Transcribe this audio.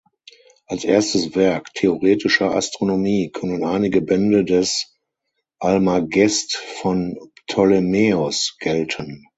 Als erstes Werk theoretischer Astronomie können einige Bände des Almagest von Ptolemäus gelten.